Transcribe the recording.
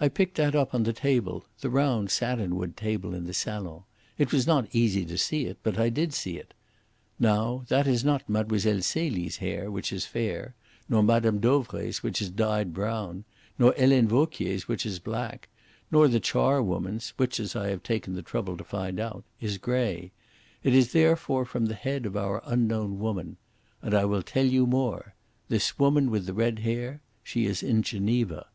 "I picked that up on the table the round satinwood table in the salon. It was easy not to see it, but I did see it. Now, that is not Mlle. Celie's hair, which is fair; nor Mme. Dauvray's, which is dyed brown; nor Helene Vauquier's, which is black; nor the charwoman's, which, as I have taken the trouble to find out, is grey. It is therefore from the head of our unknown woman. And I will tell you more. This woman with the red hair she is in Geneva."